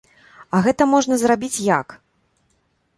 А гэта можна зрабіць як?